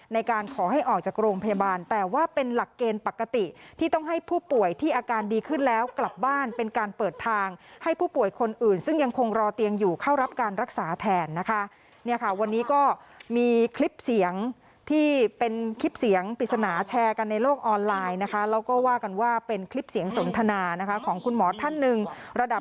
ในการขอให้ออกจากโรงพยาบาลแต่ว่าเป็นหลักเกณฑ์ปกติที่ต้องให้ผู้ป่วยที่อาการดีขึ้นแล้วกลับบ้านเป็นการเปิดทางให้ผู้ป่วยคนอื่นซึ่งยังคงรอเตียงอยู่เข้ารับการรักษาแทนนะคะเนี่ยค่ะวันนี้ก็มีคลิปเสียงที่เป็นคลิปเสียงปริศนาแชร์กันในโลกออนไลน์นะคะแล้วก็ว่ากันว่าเป็นคลิปเสียงสนทนานะคะของคุณหมอท่านหนึ่งระดับ